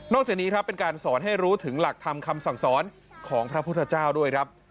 จากนี้ครับเป็นการสอนให้รู้ถึงหลักธรรมคำสั่งสอนของพระพุทธเจ้าด้วยครับ